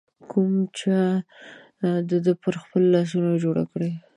کوم چا د ده پر خپلو لاسونو جوړه کړې